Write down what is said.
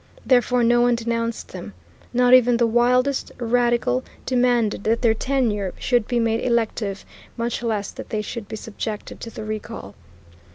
Therefore no one denounced them. Not even the wildest radical demanded that their tenure should be made elective, much less that they should be subjected to the recall.